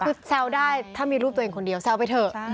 คุณเซลล์ได้ถ้ามีรูปตัวเองคนเดียวเซลล์ไปเถอะ